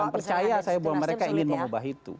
dan percaya saya bahwa mereka ingin mengubah itu